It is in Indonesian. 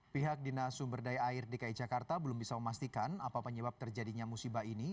pihak dinas sumber daya air dki jakarta belum bisa memastikan apa penyebab terjadinya musibah ini